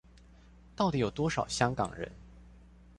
到底有多少香港人？